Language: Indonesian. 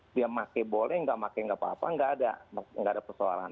dia pakai boleh nggak pakai nggak apa apa nggak ada persoalan